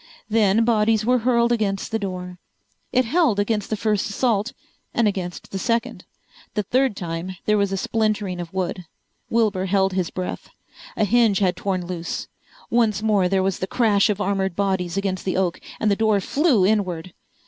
Then bodies were hurled against the door. It held against the first assault, and against the second. The third time there was a splintering of wood. Wilbur held his breath. A hinge had torn loose. Once more there was the crash of armored bodies against the oak and the door flew inward.